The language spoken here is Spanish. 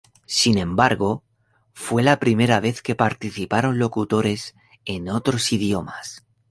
Sin embargo, fue la primera vez que participaron locutores en otros idiomas.